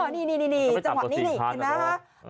นี่นี่นี่จังหวะนี้นี่เห็นไหมครับ